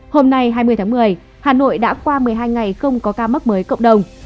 hôm nay hai mươi tháng một mươi hà nội đã qua một mươi hai ngày không có ca mắc mới cộng đồng